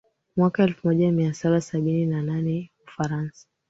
mwaka elfumoja miasaba sabini na nane Ufaransa